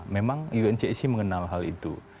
memang uncac mengenal hal itu